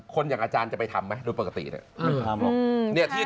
คนอย่างอาจารย์จะไปทำไหมโดยปกติ